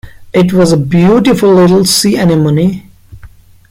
It was a beautiful little sea-anemone.